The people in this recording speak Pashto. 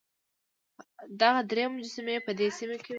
دغه درې مجسمې په دې سیمه کې وې.